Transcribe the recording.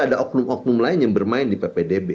ada oknum oknum lain yang bermain di ppdb